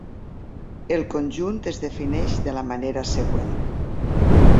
El conjunt es defineix de la manera següent.